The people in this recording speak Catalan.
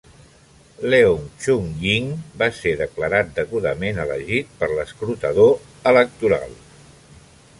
Leung Chun-Ying va ser declarat degudament elegit per l'escrutador electoral.